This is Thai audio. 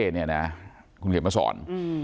นี่ของเจมส์มาสอน